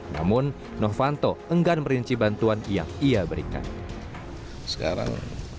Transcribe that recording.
namun novanto enggan merinci bantuan yang ia berikan